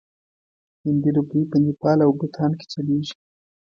هندي روپۍ په نیپال او بوتان کې چلیږي.